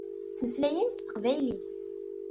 Ttmeslayent s teqbaylit.